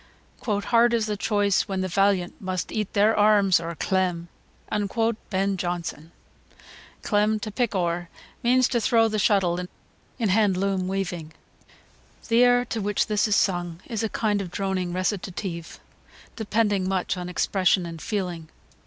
"Hard is the choice, when the valiant must eat their arms or clem." Ben Jonson.] [Footnote 6: To "pick ower," means to throw the shuttle in hand loom weaving.] The air to which this is sung is a kind of droning recitative, depending much on expression and feeling.